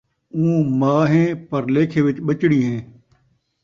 اوں ماء ہئیں پر لیکھے وِچ ٻچڑی ہئیں